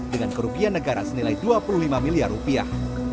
berapa rupiah negara senilai dua puluh lima miliar rupiah